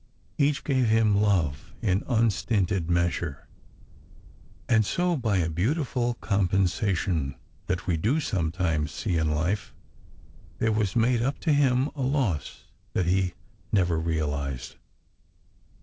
Each gave him love in unstinted measure. And so, by a beautiful compensation that we do sometimes see in life, there was made up to him a loss that he never realized.